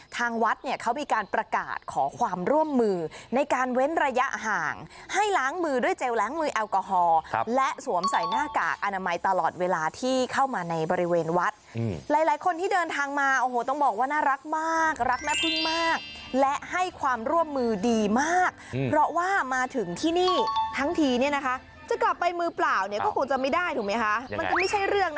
ทางวัดเนี่ยเขามีการประกาศขอความร่วมมือในการเว้นระยะห่างให้ล้างมือด้วยเจลแล้งมือแอลกอฮอล์ครับและสวมใส่หน้ากากอนามัยตลอดเวลาที่เข้ามาในบริเวณวัดอืมหลายหลายคนที่เดินทางมาโอ้โหต้องบอกว่าน่ารักมากรักน่าคุ้นมากและให้ความร่วมมือดีมากอืมเพราะว่ามาถึงที่นี่ทั้งทีเน